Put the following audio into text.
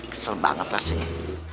kesel banget rasanya